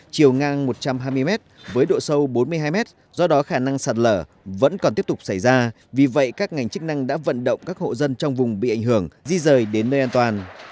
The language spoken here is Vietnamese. chiều ngang một trăm hai mươi m với độ sâu bốn mươi hai m do đó khả năng sạt lở vẫn còn tiếp tục xảy ra vì vậy các ngành chức năng đã vận động các hộ dân trong vùng bị ảnh hưởng di rời đến nơi an toàn